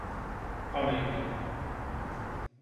Πάμε λοιπόν.